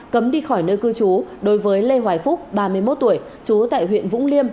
cấm đi khỏi nơi cư trú đối với lê hoài phúc ba mươi một tuổi trú tại huyện vũng liêm